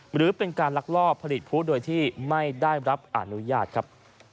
หรือเป็นการลักลอบผลิตผู้โดยที่ไม่ได้รับอนุญาตครับ